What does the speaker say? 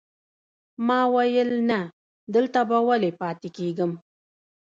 ما ویل نه، دلته به ولې پاتې کېږم.